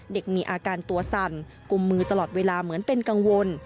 เด็กมีอาการตัวสั่นกุมมือตลอดเวลาเหมือนเป็นกังวล